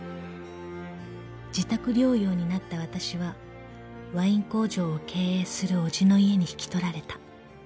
［自宅療養になったわたしはワイン工場を経営する伯父の家に引き取られた］